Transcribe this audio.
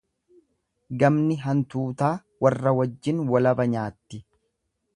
Gamni hantuutaa warra wajjin walaba nyaatti.